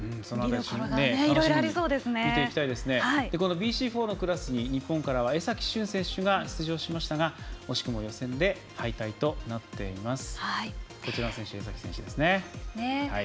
ＢＣ４のクラスに日本からは江崎駿選手が出場しましたが惜しくも予選で敗退となっています。